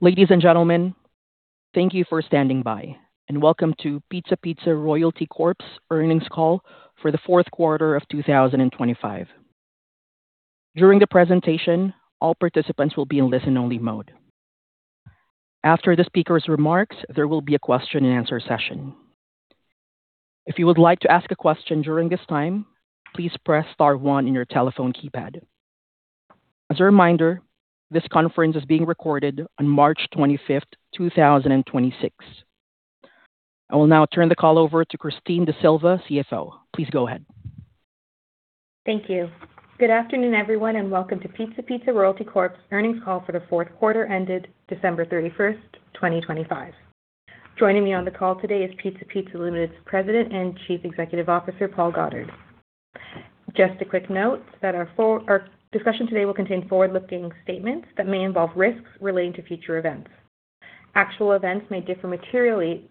Ladies and gentlemen, thank you for standing by, and welcome to Pizza Pizza Royalty Corp.'s Earnings Call for The Fourth Quarter of 2025. During the presentation, all participants will be in listen-only mode. After the speaker's remarks, there will be a question-and-answer session. If you would like to ask a question during this time, please press star one on your telephone keypad. As a reminder, this conference is being recorded on March 25, 2026. I will now turn the call over to Christine D'Sylva, CFO. Please go ahead. Thank you. Good afternoon, everyone, and welcome to Pizza Pizza Royalty Corp's earnings call for the fourth quarter ended December 31, 2025. Joining me on the call today is Pizza Pizza Limited's President and Chief Executive Officer, Paul Goddard. Just a quick note that our discussion today will contain forward-looking statements that may involve risks relating to future events. Actual events may differ materially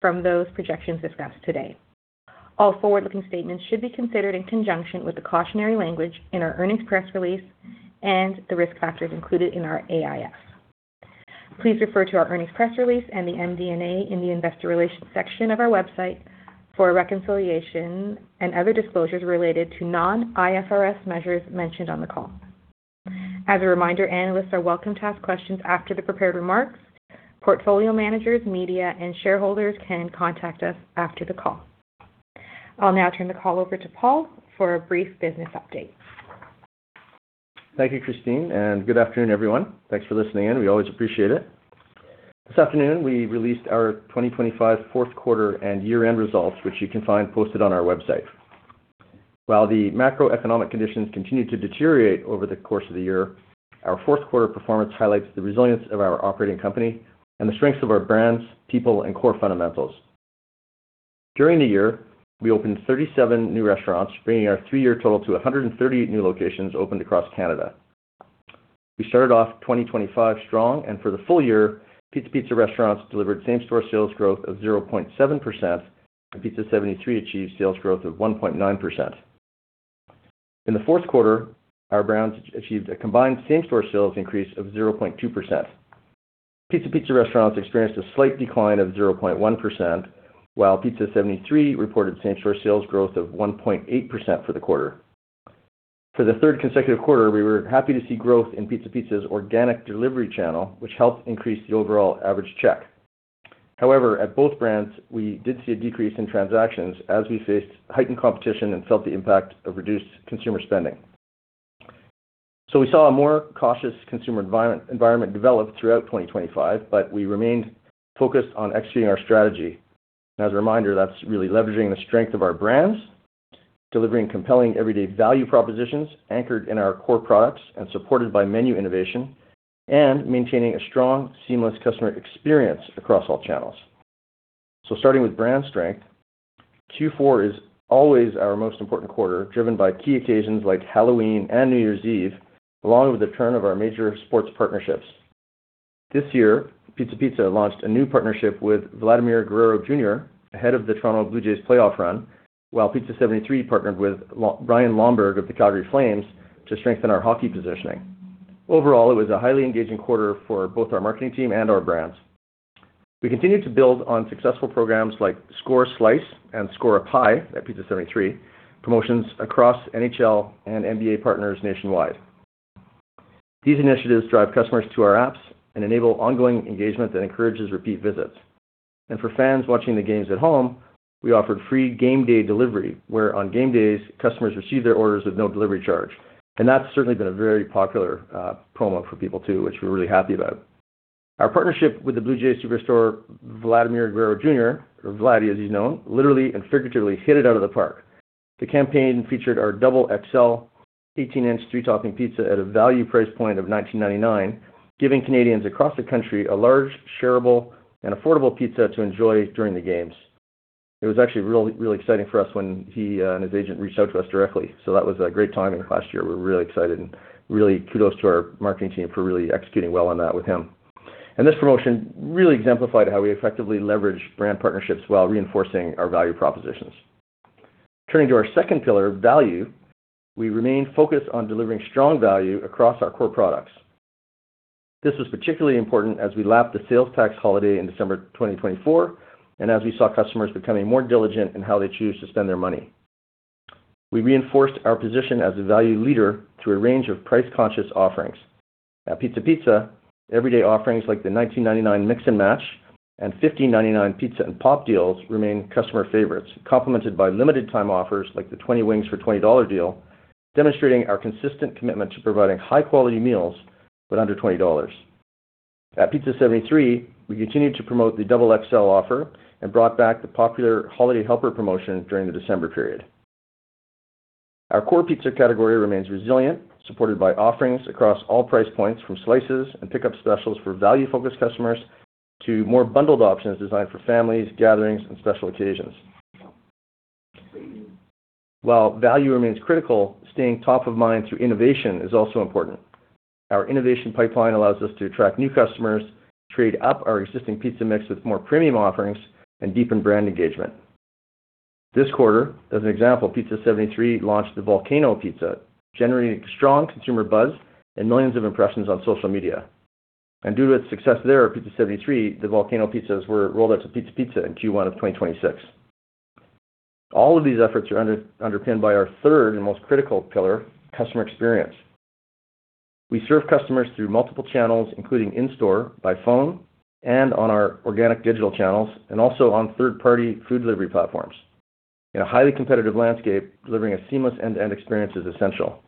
from those projections discussed today. All forward-looking statements should be considered in conjunction with the cautionary language in our earnings press release and the risk factors included in our AIF. Please refer to our earnings press release and the MD&A in the investor relations section of our website for a reconciliation and other disclosures related to non-IFRS measures mentioned on the call. As a reminder, analysts are welcome to ask questions after the prepared remarks. Portfolio managers, media, and shareholders can contact us after the call. I'll now turn the call over to Paul for a brief business update. Thank you, Christine, and good afternoon, everyone. Thanks for listening in. We always appreciate it. This afternoon, we released our 2025 fourth quarter and year-end results, which you can find posted on our website. While the macroeconomic conditions continued to deteriorate over the course of the year, our fourth quarter performance highlights the resilience of our operating company and the strengths of our brands, people, and core fundamentals. During the year, we opened 37 new restaurants, bringing our three-year total to 138 new locations opened across Canada. We started off 2025 strong, and for the full year, Pizza Pizza restaurants delivered same-store sales growth of 0.7%, and Pizza 73 achieved sales growth of 1.9%. In the fourth quarter, our brands achieved a combined same-store sales increase of 0.2%. Pizza Pizza restaurants experienced a slight decline of 0.1%, while Pizza 73 reported same-store sales growth of 1.8% for the quarter. For the third consecutive quarter, we were happy to see growth in Pizza Pizza's organic delivery channel, which helped increase the overall average check. However, at both brands, we did see a decrease in transactions as we faced heightened competition and felt the impact of reduced consumer spending. We saw a more cautious consumer environment develop throughout 2025, but we remained focused on executing our strategy. As a reminder, that's really leveraging the strength of our brands, delivering compelling everyday value propositions anchored in our core products and supported by menu innovation, and maintaining a strong, seamless customer experience across all channels. Starting with brand strength, Q4 is always our most important quarter, driven by key occasions like Halloween and New Year's Eve, along with the turn of our major sports partnerships. This year, Pizza Pizza launched a new partnership with Vladimir Guerrero Jr. ahead of the Toronto Blue Jays playoff run, while Pizza 73 partnered with Ryan Lomberg of the Calgary Flames to strengthen our hockey positioning. Overall, it was a highly engaging quarter for both our marketing team and our brands. We continued to build on successful programs like Score a Slice and Score a Pie at Pizza 73, promotions across NHL and NBA partners nationwide. These initiatives drive customers to our apps and enable ongoing engagement that encourages repeat visits. For fans watching the games at home, we offered free game day delivery, where on game days, customers receive their orders with no delivery charge. That's certainly been a very popular promo for people too, which we're really happy about. Our partnership with the Blue Jays superstar Vladimir Guerrero Jr., or Vladi as he's known, literally and figuratively hit it out of the park. The campaign featured our double XL 18-inch 3-topping pizza at a value price point of 1999, giving Canadians across the country a large, shareable, and affordable pizza to enjoy during the games. It was actually really exciting for us when he and his agent reached out to us directly. That was a great timing last year. We're really excited and really kudos to our marketing team for really executing well on that with him. This promotion really exemplified how we effectively leverage brand partnerships while reinforcing our value propositions. Turning to our second pillar, value, we remain focused on delivering strong value across our core products. This was particularly important as we lapped the sales tax holiday in December 2024, and as we saw customers becoming more diligent in how they choose to spend their money. We reinforced our position as a value leader through a range of price-conscious offerings. At Pizza Pizza, everyday offerings like the 19.99 Mix & Match and 15.99 Pizza and Pop deals remain customer favorites, complemented by limited time offers like the 20 wings for 20 dollar deal, demonstrating our consistent commitment to providing high-quality meals but under 20 dollars. At Pizza 73, we continued to promote the XXL offer and brought back the popular Holiday Helper promotion during the December period. Our core pizza category remains resilient, supported by offerings across all price points, from slices and pickup specials for value-focused customers to more bundled options designed for families, gatherings, and special occasions. While value remains critical, staying top of mind through innovation is also important. Our innovation pipeline allows us to attract new customers, trade up our existing pizza mix with more premium offerings, and deepen brand engagement. This quarter, as an example, Pizza 73 launched the Volcano Pizza, generating strong consumer buzz and millions of impressions on social media. Due to its success there at Pizza 73, the Volcano Pizzas were rolled out to Pizza Pizza in Q1 of 2026. All of these efforts are underpinned by our third and most critical pillar, customer experience. We serve customers through multiple channels, including in-store, by phone, and on our organic digital channels, and also on third-party food delivery platforms. In a highly competitive landscape, delivering a seamless end-to-end experience is essential.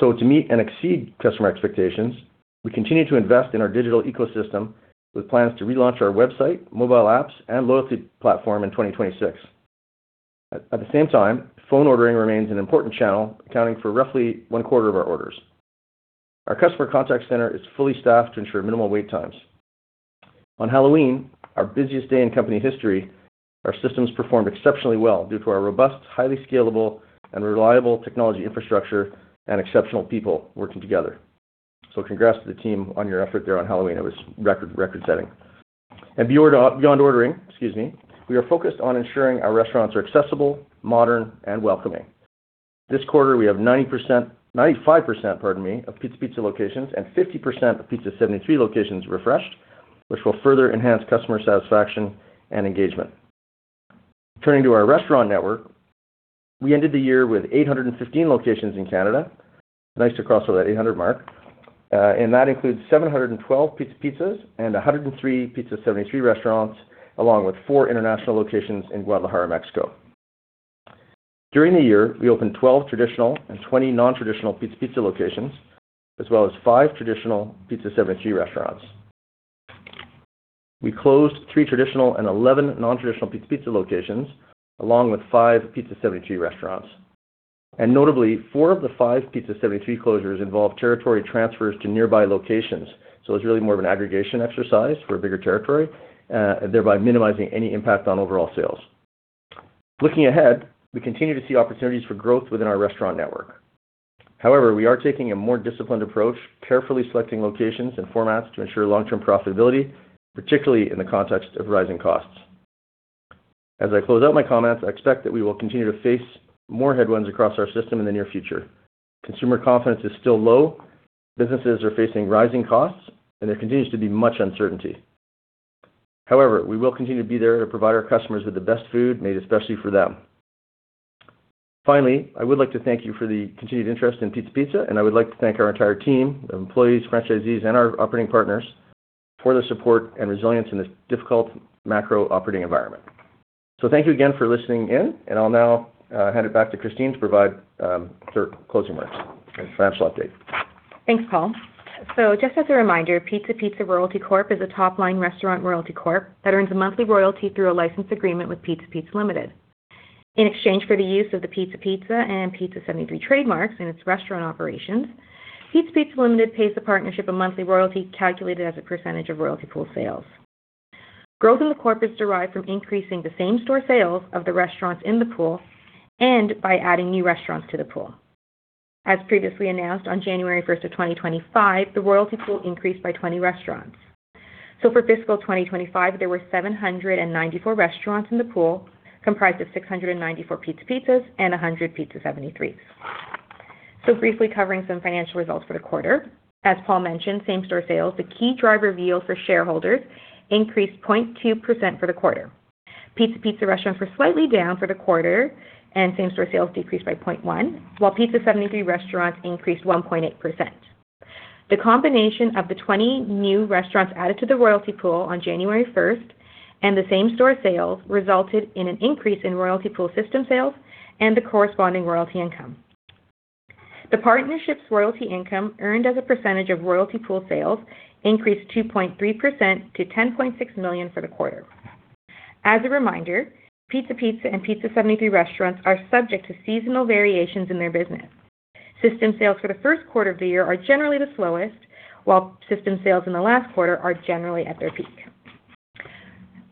To meet and exceed customer expectations, we continue to invest in our digital ecosystem with plans to relaunch our website, mobile apps, and loyalty platform in 2026. At the same time, phone ordering remains an important channel, accounting for roughly one quarter of our orders. Our customer contact center is fully staffed to ensure minimal wait times. On Halloween, our busiest day in company history, our systems performed exceptionally well due to our robust, highly scalable and reliable technology infrastructure and exceptional people working together. Congrats to the team on your effort there on Halloween. It was record-setting. Beyond ordering, excuse me, we are focused on ensuring our restaurants are accessible, modern, and welcoming. This quarter, we have 95%, pardon me, of Pizza Pizza locations and 50% of Pizza 73 locations refreshed, which will further enhance customer satisfaction and engagement. Turning to our restaurant network, we ended the year with 815 locations in Canada. Nice to cross over that 800 mark, and that includes 712 Pizza Pizza and 103 Pizza 73 restaurants, along with four international locations in Guadalajara, Mexico. During the year, we opened 12 traditional and 20 non-traditional Pizza Pizza locations, as well as five traditional Pizza 73 restaurants. We closed three traditional and 11 non-traditional Pizza Pizza locations, along with five Pizza 73 restaurants. Notably, four of the five Pizza 73 closures involved territory transfers to nearby locations. It's really more of an aggregation exercise for a bigger territory, thereby minimizing any impact on overall sales. Looking ahead, we continue to see opportunities for growth within our restaurant network. However, we are taking a more disciplined approach, carefully selecting locations and formats to ensure long-term profitability, particularly in the context of rising costs. As I close out my comments, I expect that we will continue to face more headwinds across our system in the near future. Consumer confidence is still low, businesses are facing rising costs, and there continues to be much uncertainty. However, we will continue to be there to provide our customers with the best food made especially for them. Finally, I would like to thank you for the continued interest in Pizza Pizza, and I would like to thank our entire team of employees, franchisees, and our operating partners for their support and resilience in this difficult macro operating environment. Thank you again for listening in, and I'll now hand it back to Christine to provide for closing remarks and financial update. Thanks, Paul. Just as a reminder, Pizza Pizza Royalty Corp. is a top-line restaurant royalty corp. that earns a monthly royalty through a license agreement with Pizza Pizza Limited. In exchange for the use of the Pizza Pizza and Pizza 73 trademarks in its restaurant operations, Pizza Pizza Limited pays the partnership a monthly royalty calculated as a percentage of royalty pool sales. Growth in the corp. is derived from increasing the same-store sales of the restaurants in the pool and by adding new restaurants to the pool. As previously announced, on January 1, 2025, the royalty pool increased by 20 restaurants. For fiscal 2025, there were 794 restaurants in the pool, comprised of 694 Pizza Pizzas and 100 Pizza 73s. Briefly covering some financial results for the quarter. As Paul mentioned, same-store sales, the key driver of yield for shareholders, increased 0.2% for the quarter. Pizza Pizza restaurants were slightly down for the quarter, and same-store sales decreased by 0.1%, while Pizza 73 restaurants increased 1.8%. The combination of the 20 new restaurants added to the royalty pool on January first and the same-store sales resulted in an increase in royalty pool system sales and the corresponding royalty income. The partnership's royalty income earned as a percentage of royalty pool sales increased 2.3% to 10.6 million for the quarter. As a reminder, Pizza Pizza and Pizza 73 restaurants are subject to seasonal variations in their business. System sales for the first quarter of the year are generally the slowest, while system sales in the last quarter are generally at their peak.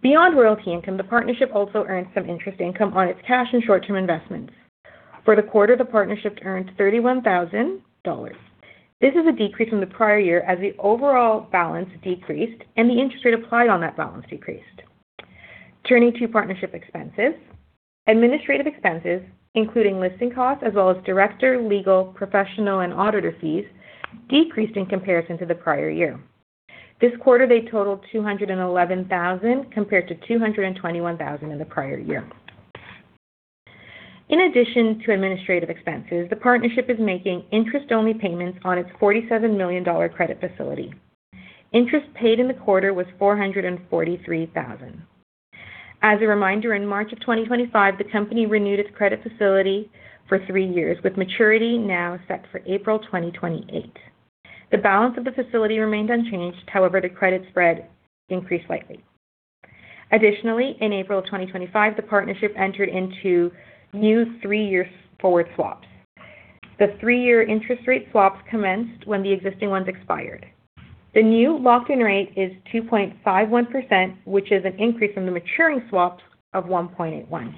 Beyond royalty income, the partnership also earned some interest income on its cash and short-term investments. For the quarter, the partnership earned 31,000 dollars. This is a decrease from the prior year as the overall balance decreased and the interest rate applied on that balance decreased. Turning to partnership expenses. Administrative expenses, including listing costs as well as director, legal, professional, and auditor fees, decreased in comparison to the prior year. This quarter, they totaled 211,000, compared to 221,000 in the prior year. In addition to administrative expenses, the partnership is making interest-only payments on its 47 million dollar credit facility. Interest paid in the quarter was 443,000. As a reminder, in March 2025, the company renewed its credit facility for three years, with maturity now set for April 2028. The balance of the facility remained unchanged. However, the credit spread increased slightly. Additionally, in April of 2025, the partnership entered into new three-year forward swaps. The three-year interest rate swaps commenced when the existing ones expired. The new locked-in rate is 2.51%, which is an increase from the maturing swaps of 1.81%.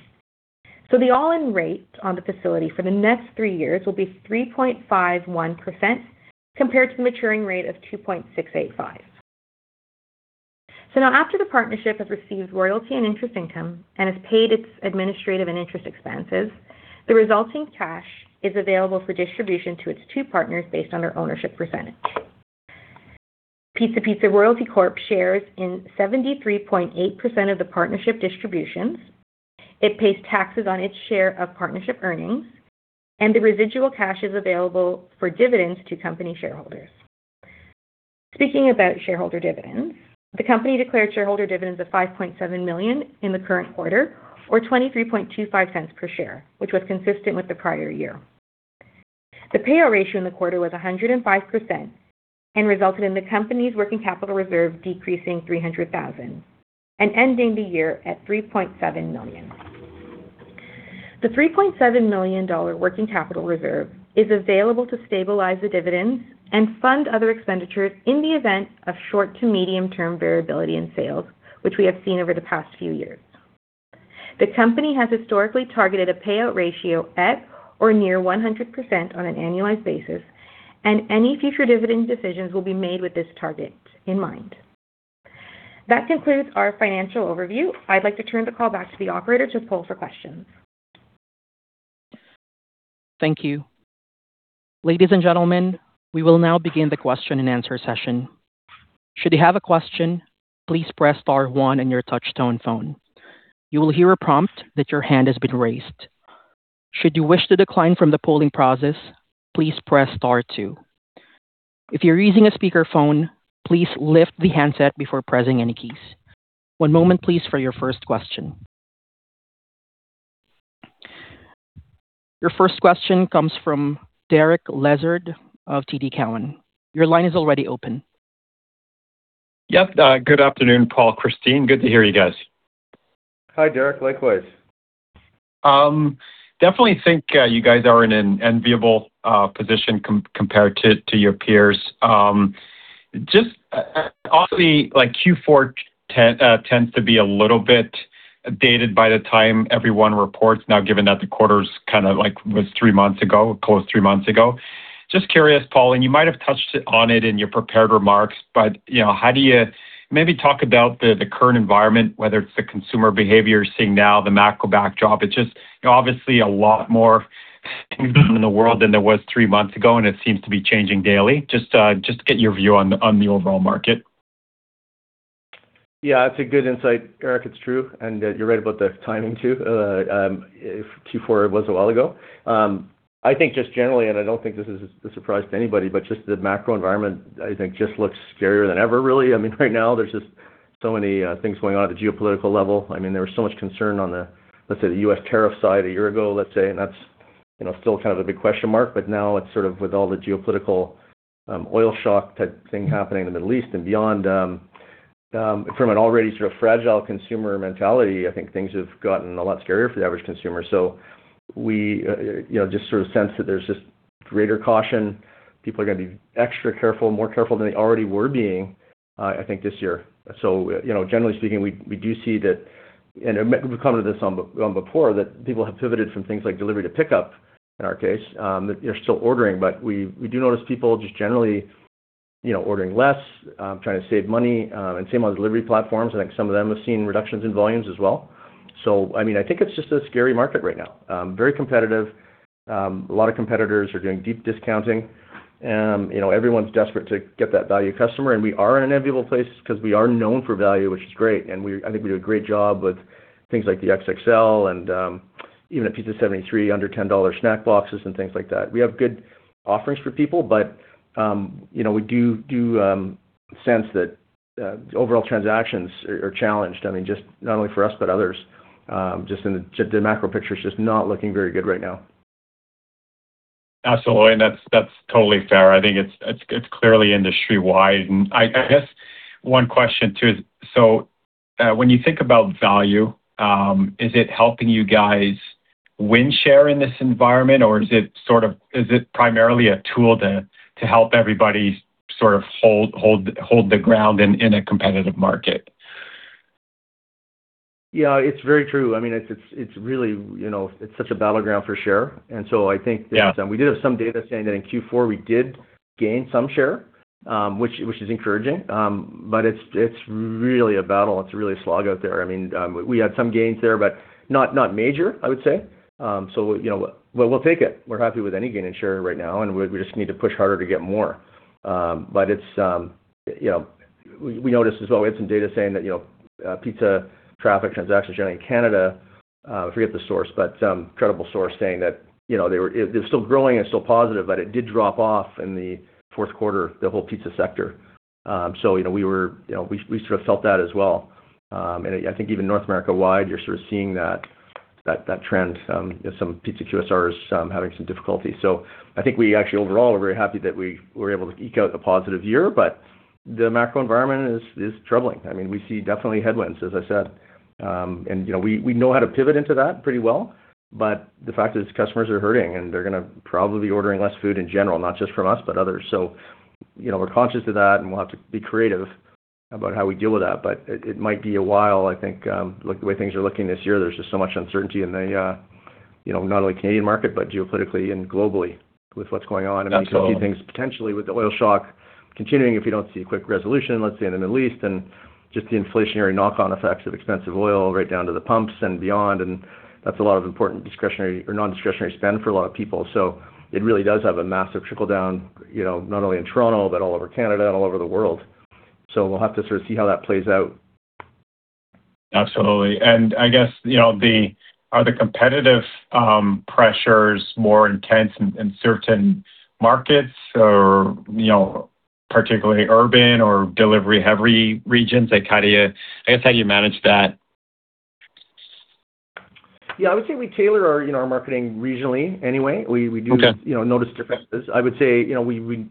The all-in rate on the facility for the next three years will be 3.51%, compared to the maturing rate of 2.685%. Now after the partnership has received royalty and interest income and has paid its administrative and interest expenses, the resulting cash is available for distribution to its two partners based on their ownership percentage. Pizza Pizza Royalty Corp. shares in 73.8% of the partnership distributions. It pays taxes on its share of partnership earnings, and the residual cash is available for dividends to company shareholders. Speaking about shareholder dividends, the company declared shareholder dividends of 5.7 million in the current quarter or 23.25 cents per share, which was consistent with the prior year. The payout ratio in the quarter was 105% and resulted in the company's working capital reserve decreasing 300,000 and ending the year at 3.7 million. The 3.7 million dollar working capital reserve is available to stabilize the dividends and fund other expenditures in the event of short to medium-term variability in sales, which we have seen over the past few years. The company has historically targeted a payout ratio at or near 100% on an annualized basis, and any future dividend decisions will be made with this target in mind. That concludes our financial overview. I'd like to turn the call back to the operator to poll for questions. Thank you. Ladies and gentlemen, we will now begin the question-and-answer session. Should you have a question, please press star one on your touchtone phone. You will hear a prompt that your hand has been raised. Should you wish to decline from the polling process, please press star two. If you're using a speakerphone, please lift the handset before pressing any keys. One moment, please, for your first question. Your first question comes from Derek Lessard of TD Cowen. Your line is already open. Yep. Good afternoon, Paul, Christine. Good to hear you guys. Hi, Derek. Likewise. Definitely think you guys are in an enviable position compared to your peers. Just obviously, like Q4 tends to be a little bit dated by the time everyone reports now, given that the quarter's kind of like was three months ago, close to three months ago. Just curious, Paul, and you might have touched on it in your prepared remarks, but, you know, how do you maybe talk about the current environment, whether it's the consumer behavior you're seeing now, the macro backdrop? It's just obviously a lot more things going on in the world than there was three months ago, and it seems to be changing daily. Just get your view on the overall market. Yeah. It's a good insight, Derek Lessard. It's true. You're right about the timing too. Q4 was a while ago. I think just generally, I don't think this is a surprise to anybody, but just the macro environment, I think, just looks scarier than ever, really. I mean, right now, there's just so many things going on at the geopolitical level. I mean, there was so much concern on the, let's say, the U.S. tariff side a year ago, let's say, and that's, you know, still kind of a big question mark. But now it's sort of with all the geopolitical, oil shock type thing happening in the Middle East and beyond, from an already sort of fragile consumer mentality, I think things have gotten a lot scarier for the average consumer. We, you know, just sort of sense that there's just greater caution. People are gonna be extra careful, more careful than they already were being, I think this year. You know, generally speaking, we do see that, and we've come to this one before, that people have pivoted from things like delivery to pickup. In our case, they're still ordering, but we do notice people just generally, you know, ordering less, trying to save money, and same on delivery platforms. I think some of them have seen reductions in volumes as well. I mean, I think it's just a scary market right now. Very competitive. A lot of competitors are doing deep discounting. You know, everyone's desperate to get that value customer, and we are in an enviable place because we are known for value, which is great. I think we do a great job with things like the XXL and even a Pizza 73 under 10 dollar snack boxes and things like that. We have good offerings for people, but you know, we do sense that overall transactions are challenged. I mean, just not only for us, but others. Just in the macro picture is just not looking very good right now. Absolutely. That's totally fair. I think it's clearly industry-wide. I guess one question, too. When you think about value, is it helping you guys win share in this environment, or is it sort of, is it primarily a tool to help everybody sort of hold the ground in a competitive market? Yeah, it's very true. I mean, it's really, you know, it's such a battleground for share. I think. Yeah We did have some data saying that in Q4, we did gain some share, which is encouraging. It's really a battle. It's really a slog out there. I mean, we had some gains there, but not major, I would say. You know, we'll take it. We're happy with any gain in share right now, and we just need to push harder to get more. It's, you know, we noticed as well, we had some data saying that, you know, pizza traffic transactions generally in Canada, I forget the source, but some credible source saying that, you know, it was still growing and still positive, but it did drop off in the fourth quarter, the whole pizza sector. You know, we were, you know, we sort of felt that as well. I think even North America-wide, you're sort of seeing that trend, some pizza QSRs having some difficulty. I think we actually overall are very happy that we were able to eke out a positive year, but the macro environment is troubling. I mean, we see definitely headwinds, as I said. You know, we know how to pivot into that pretty well. The fact is customers are hurting, and they're gonna probably be ordering less food in general, not just from us, but others. You know, we're conscious of that, and we'll have to be creative about how we deal with that. It might be a while, I think, the way things are looking this year, there's just so much uncertainty in the, you know, not only Canadian market, but geopolitically and globally with what's going on. Absolutely. I mean, you see things potentially with the oil shock continuing, if you don't see a quick resolution, let's say, in the Middle East, and just the inflationary knock-on effects of expensive oil right down to the pumps and beyond, and that's a lot of important discretionary or non-discretionary spend for a lot of people. It really does have a massive trickle-down, you know, not only in Toronto but all over Canada and all over the world. We'll have to sort of see how that plays out. Absolutely. I guess, you know, are the competitive pressures more intense in certain markets or, you know, particularly urban or delivery-heavy regions? Like, I guess, how do you manage that? Yeah. I would say we tailor our, you know, our marketing regionally, anyway. Okay. We do, you know, notice differences. I would say, you know, we, you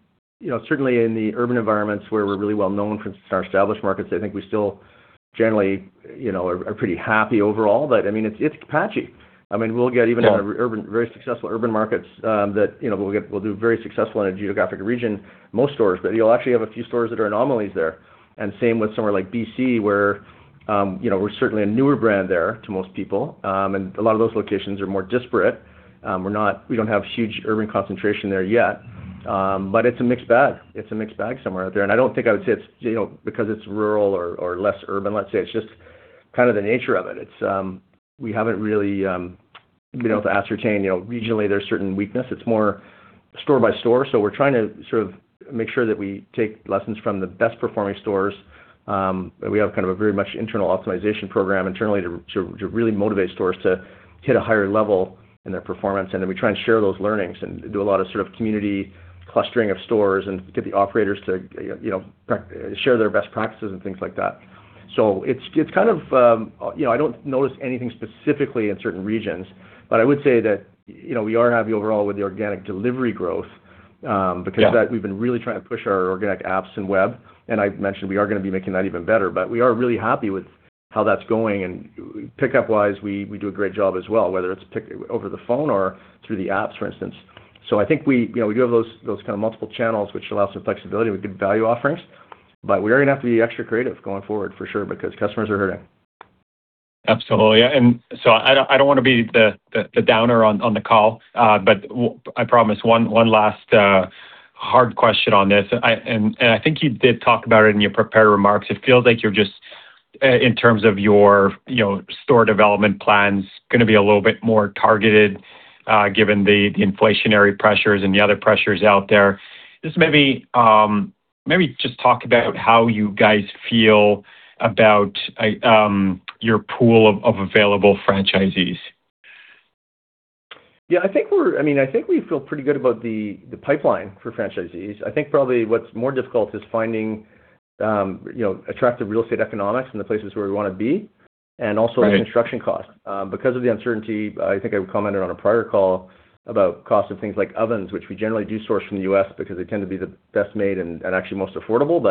know, certainly in the urban environments where we're really well-known, for instance, in our established markets, I think we still generally, you know, are pretty happy overall. I mean, it's patchy. I mean, we'll get even in- Sure our urban, very successful urban markets, that, you know, we'll do very successful in a geographic region, most stores, but you'll actually have a few stores that are anomalies there. Same with somewhere like BC, where, you know, we're certainly a newer brand there to most people. A lot of those locations are more disparate. We don't have huge urban concentration there yet. But it's a mixed bag. It's a mixed bag somewhere out there. I don't think I would say it's, you know, because it's rural or less urban, let's say. It's just kind of the nature of it. We haven't really been able to ascertain, you know, regionally, there's certain weakness. It's more store by store. We're trying to sort of make sure that we take lessons from the best performing stores. We have kind of a very much internal optimization program internally to really motivate stores to hit a higher level in their performance. Then we try and share those learnings and do a lot of sort of community clustering of stores and get the operators to, you know, share their best practices and things like that. It's kind of, you know, I don't notice anything specifically in certain regions. I would say that, you know, we are happy overall with the organic delivery growth. Because we've been really trying to push our organic apps and web, and I've mentioned we are gonna be making that even better. We are really happy with how that's going. Pickup-wise, we do a great job as well, whether it's pickup over the phone or through the apps, for instance. I think we, you know, we do have those kind of multiple channels which allow some flexibility with good value offerings. We are gonna have to be extra creative going forward for sure, because customers are hurting. Absolutely. Yeah, I don't wanna be the downer on the call, but I promise one last hard question on this. I think you did talk about it in your prepared remarks. It feels like you're just in terms of your you know store development plans gonna be a little bit more targeted given the inflationary pressures and the other pressures out there. Just maybe just talk about how you guys feel about your pool of available franchisees. Yeah, I think we're I mean, I think we feel pretty good about the pipeline for franchisees. I think probably what's more difficult is finding, you know, attractive real estate economics in the places where we wanna be, and also. Right The construction costs. Because of the uncertainty, I think I commented on a prior call about cost of things like ovens, which we generally do source from the U.S. because they tend to be the best made and actually most affordable.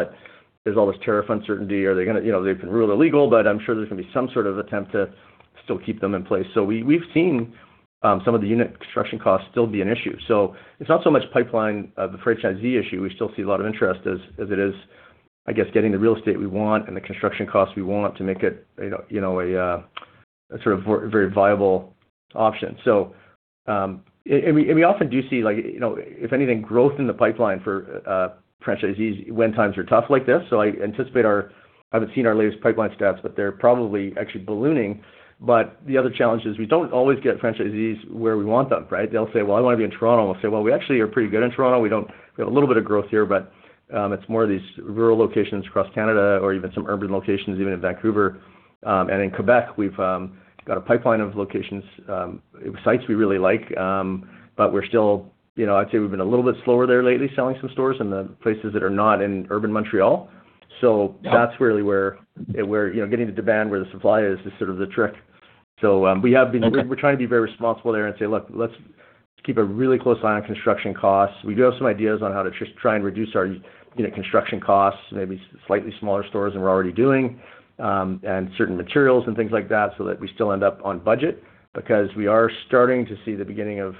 There's all this tariff uncertainty. Are they gonna? You know, they've been ruled illegal, but I'm sure there's gonna be some sort of attempt to still keep them in place. We've seen some of the unit construction costs still be an issue. It's not so much pipeline, the franchisee issue, we still see a lot of interest as it is, I guess, getting the real estate we want and the construction costs we want to make it, you know, a sort of very viable option. We often do see like, you know, if anything, growth in the pipeline for franchisees when times are tough like this. I anticipate I haven't seen our latest pipeline stats, but they're probably actually ballooning. The other challenge is we don't always get franchisees where we want them, right? They'll say, "Well, I wanna be in Toronto." We'll say, "Well, we actually are pretty good in Toronto. We have a little bit of growth here, but it's more of these rural locations across Canada or even some urban locations, even in Vancouver." In Quebec, we've got a pipeline of locations, sites we really like, but we're still, you know, I'd say we've been a little bit slower there lately selling some stores in the places that are not in urban Montreal. That's really where, you know, getting the demand where the supply is sort of the trick. We have been- Okay We're trying to be very responsible there and say, "Look, let's keep a really close eye on construction costs." We do have some ideas on how to just try and reduce our, you know, construction costs, maybe slightly smaller stores than we're already doing, and certain materials and things like that, so that we still end up on budget because we are starting to see the beginning of,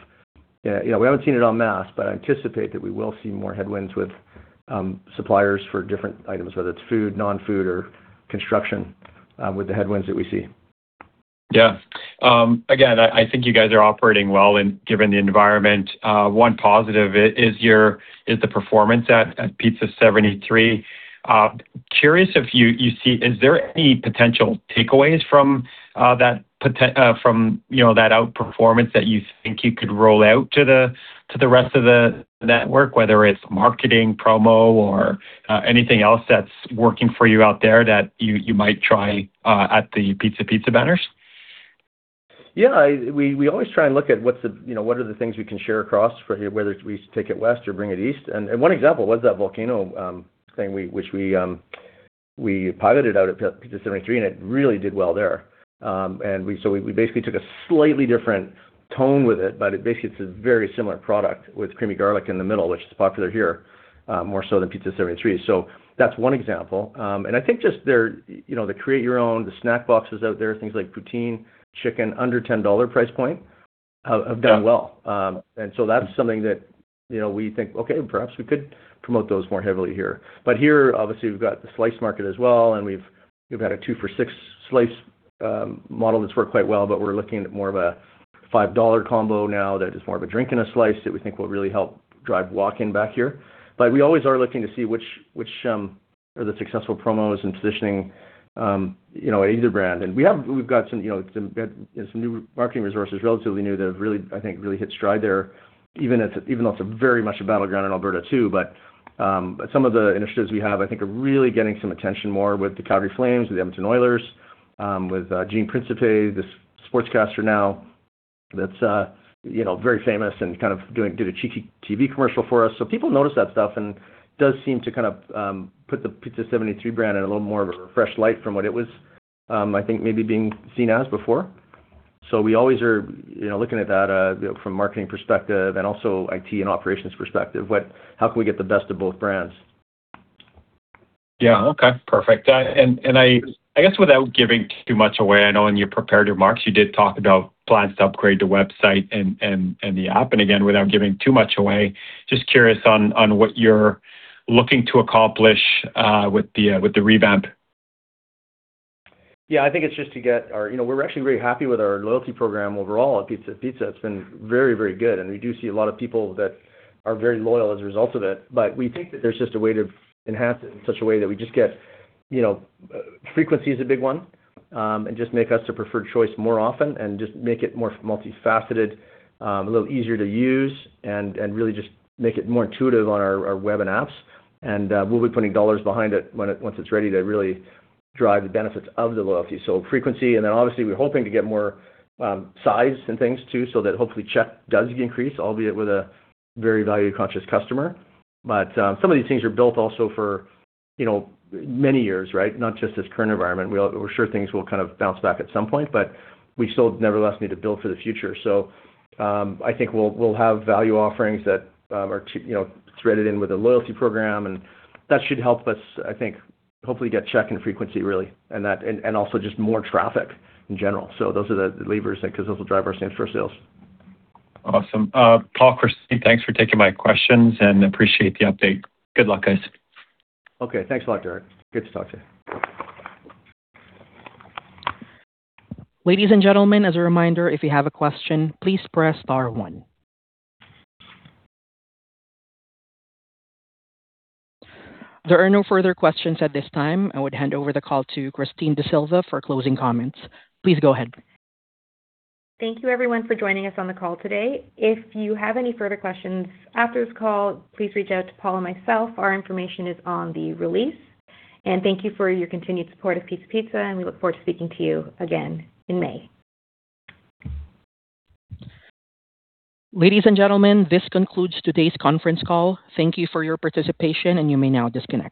you know, we haven't seen it en masse, but I anticipate that we will see more headwinds with, suppliers for different items, whether it's food, non-food or construction, with the headwinds that we see. Yeah. Again, I think you guys are operating well, given the environment. One positive is the performance at Pizza 73. Curious if you see, is there any potential takeaways from, you know, that outperformance that you think you could roll out to the rest of the network? Whether it's marketing promo or anything else that's working for you out there that you might try at the Pizza Pizza banners? Yeah. We always try and look at what the, you know, what are the things we can share across for whether we take it west or bring it east. One example was that volcano thing, which we piloted out at Pizza 73, and it really did well there. We basically took a slightly different tone with it, but basically it's a very similar product with creamy garlic in the middle, which is popular here, more so than Pizza 73. That's one example. I think just there, you know, the create your own, the snack boxes out there, things like poutine chicken under 10 dollar price point have done well. That's something that you know, we think, okay, perhaps we could promote those more heavily here. Here, obviously, we've got the slice market as well, and we've had a two for 6 slice model that's worked quite well, but we're looking at more of a 5 dollar combo now that is more of a drink and a slice that we think will really help drive walk-in back here. We always are looking to see which are the successful promos and positioning, you know, at either brand. We've got some, you know, new marketing resources, relatively new, that have really, I think, really hit stride there, even though it's very much a battleground in Alberta, too. Some of the initiatives we have, I think are really getting some attention more with the Calgary Flames, with the Edmonton Oilers, with Gene Principe, the sportscaster now, that's you know very famous and kind of did a cheeky TV commercial for us. So people notice that stuff and does seem to kind of put the Pizza 73 brand in a little more of a fresh light from what it was, I think maybe being seen as before. So we always are you know looking at that you know from a marketing perspective and also IT and operations perspective. How can we get the best of both brands? Yeah. Okay. Perfect. I guess without giving too much away, I know in your prepared remarks, you did talk about plans to upgrade the website and the app. Again, without giving too much away, just curious on what you're looking to accomplish with the revamp. Yeah. I think it's just to get our, you know, we're actually very happy with our loyalty program overall at Pizza Pizza. It's been very, very good, and we do see a lot of people that are very loyal as a result of it. But we think that there's just a way to enhance it in such a way that we just get, you know, frequency is a big one, and just make us the preferred choice more often and just make it more multifaceted, a little easier to use and really just make it more intuitive on our web and apps. We'll be putting dollars behind it once it's ready to really drive the benefits of the loyalty. Frequency, and then obviously, we're hoping to get more, size and things too, so that hopefully check does increase, albeit with a very value conscious customer. Some of these things are built also for, you know, many years, right? Not just this current environment. We're sure things will kind of bounce back at some point, but we still nevertheless need to build for the future. I think we'll have value offerings that are threaded in with a loyalty program, and that should help us, I think, hopefully get check and frequency, really, and also just more traffic in general. Those are the levers that because those will drive our same-store sales. Awesome. Paul, Christine, thanks for taking my questions and I appreciate the update. Good luck, guys. Okay. Thanks a lot, Derek. Good to talk to you. Ladies and gentlemen, as a reminder, if you have a question, please press star one. There are no further questions at this time. I would hand over the call to Christine D'Sylva for closing comments. Please go ahead. Thank you everyone for joining us on the call today. If you have any further questions after this call, please reach out to Paul and myself. Our information is on the release. Thank you for your continued support of Pizza Pizza, and we look forward to speaking to you again in May. Ladies and gentlemen, this concludes today's conference call. Thank you for your participation, and you may now disconnect.